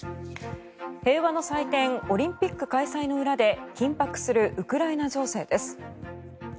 平和の祭典オリンピック開催の裏で緊迫するウクライナ情勢です。